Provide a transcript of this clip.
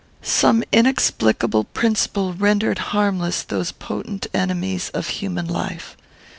"Some inexplicable principle rendered harmless those potent enemies of human life.